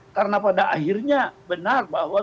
karena pada akhirnya benar bahwa